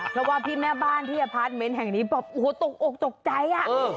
เพราะว่าพี่แม่บ้านที่อพาร์ทเมนต์แห่งนี้บอกโอ้โหตกอกตกใจอ่ะ